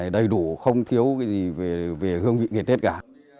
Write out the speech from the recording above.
đầy đủ không thiếu cái gì về hương vị ngày tết cả